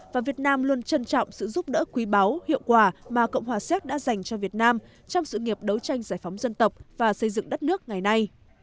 và việt nam luôn trân trọng sự giúp đỡ quý báu hiệu quả mà cộng hòa xéc đã dành cho việt nam trong sự nghiệp đấu tranh giải phóng dân tộc và xây dựng đất nước ngày nay